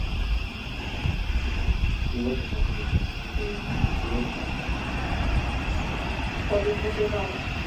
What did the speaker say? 李任与指挥顾福帅精骑出城掩击袭击。